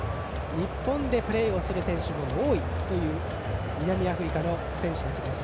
日本でプレーをする選手も多い南アフリカの選手たちです。